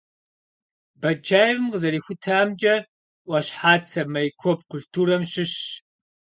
Батчаевым къызэрихутамкӀэ, Ӏуащхьацэ майкоп культурэм щыщщ.